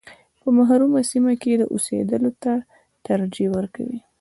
په محرومه سیمه کې اوسېدلو ته ترجیح ورکوي.